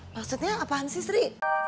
maksudnya apaan sih sri